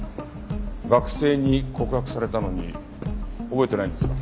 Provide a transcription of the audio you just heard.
学生に告白されたのに覚えてないんですか？